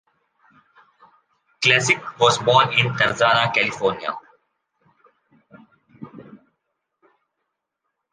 Klesic was born in Tarzana, California.